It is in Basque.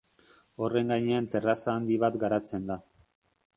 Horren gainean terraza handi bat garatzen da.